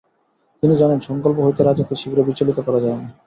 তিনি জানেন সংকল্প হইতে রাজাকে শীঘ্র বিচলিত করা যায় না।